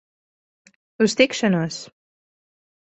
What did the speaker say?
Uz tikšanos!